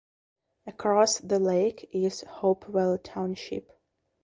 Across the lake is Hopewell Township.